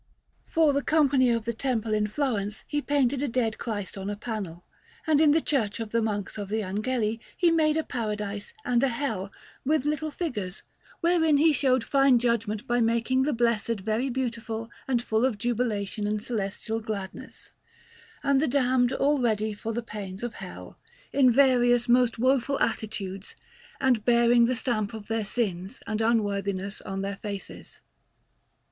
For the Company of the Temple in Florence he painted a Dead Christ on a panel; and in the Church of the Monks of the Angeli he made a Paradise and a Hell with little figures, wherein he showed fine judgment by making the blessed very beautiful and full of jubilation and celestial gladness, and the damned all ready for the pains of Hell, in various most woeful attitudes, and bearing the stamp of their sins and unworthiness on their faces.